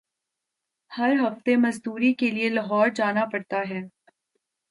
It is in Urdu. ہر ہفتے مزدوری کیلئے لاہور جانا پڑتا ہے۔